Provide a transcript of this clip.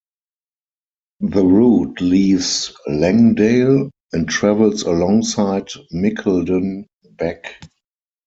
The route leaves Langdale and travels alongside Mickleden beck.